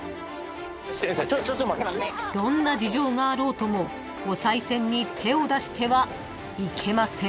［どんな事情があろうともおさい銭に手を出してはいけません］